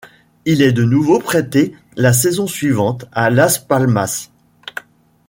Il est de nouveau prêté la saison suivante, à Las Palmas.